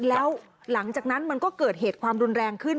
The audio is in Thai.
แล้วหลังจากนั้นมันก็เกิดเหตุความรุนแรงขึ้น